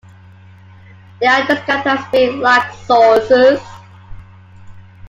They are described as being 'like saucers'.